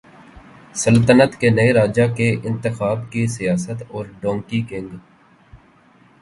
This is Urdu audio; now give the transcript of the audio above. سلطنت کے نئے راجا کے انتخاب کی سیاست اور ڈونکی کنگ